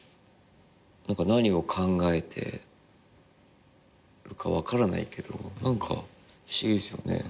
何を考えてるか分からないけど何か不思議ですよね。